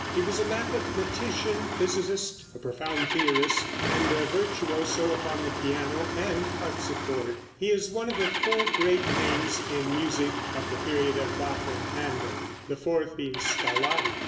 He was a mathematician, physicist, a profound theorist, and a virtuoso upon the piano and harpsichord. He is one of the four great names in music of the period of Bach and Händel, the fourth being Scarlatti.